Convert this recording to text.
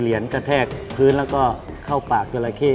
เหรียญกระแทกพื้นแล้วก็เข้าปากจราเข้